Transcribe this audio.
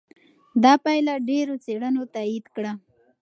دا پایله ډېرو څېړنو تایید کړه.